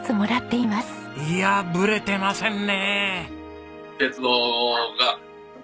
いやぶれてませんね。